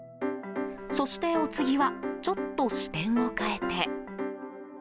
そして、お次はちょっと視点を変えて。